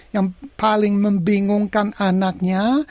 yang paling membingungkan anaknya